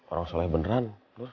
orang soleh beneran